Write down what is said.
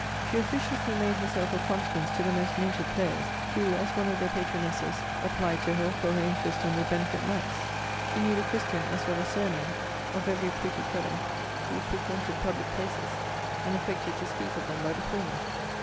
She officiously made herself of consequence to the most noted players; who, as one of their patronesses, applied to her for her interest on their benefit nights. She knew the christian, as well as sur name of every pretty fellow who frequented public places; and affected to speak of them by the former.